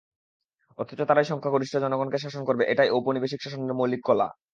অথচ তারাই সংখ্যাগরিষ্ঠ জনগণকে শাসন করবে, এটাই ঔপনিবেশিক শাসনের মৌলিক কলা।